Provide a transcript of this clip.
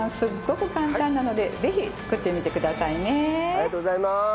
ありがとうございます。